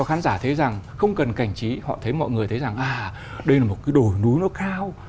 khán giả thấy rằng không cần cảnh trí họ thấy mọi người thấy rằng à đây là một cái đồi núi nó cao